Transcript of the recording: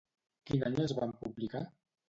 Quin any es van publicar?